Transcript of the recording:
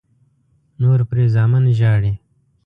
نور پرې زامن ژاړي.